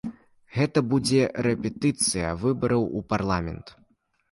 Гэта будзе рэпетыцыя выбараў у парламент.